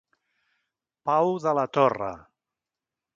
Pau de la Torre.